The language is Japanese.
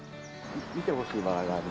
見てほしいバラがありまして。